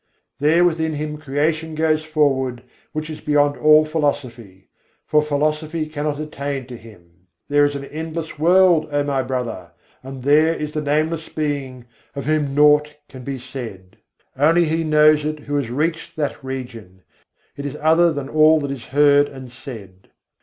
There within Him creation goes forward, which is beyond all philosophy; for philosophy cannot attain to Him: There is an endless world, O my Brother! and there is the Nameless Being, of whom naught can be said. Only he knows it who has reached that region: it is other than all that is heard and said.